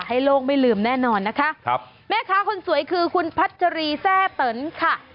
ให้โลกไม่ลืมแน่นอนนะคะแม่ค้าคุณสวยคือคุณพัชรีแซ่ตนค่ะ